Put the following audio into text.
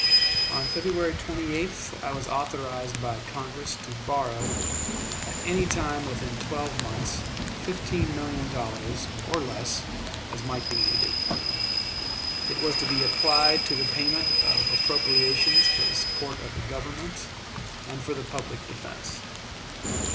On February 28th I was authorized by Congress to borrow, at any time within twelve months, fifteen million dollars, or less, as might be needed. It was to be applied to the payment of appropriations for the support of the Government, and for the public defense.